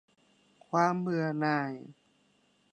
ความเบื่อหน่าย